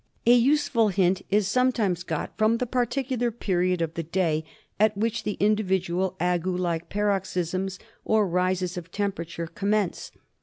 A useful hint is sometimes got from the particular period of the day at which the individual ague like paroxysms or rises of temperature commence.